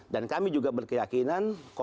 dan kami juga berkeyakinan